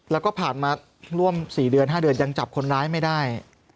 แล้วก็ผ่านมาร่วม๔เดือน๕เดือนยังจับคนร้ายไม่ได้